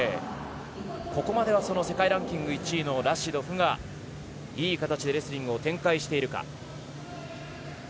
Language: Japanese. ここまではその世界ランキング１位のラシドフがいい形でレスリングを展開しているか。